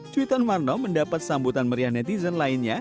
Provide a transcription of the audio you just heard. cuitan marno mendapat sambutan meriah netizen lainnya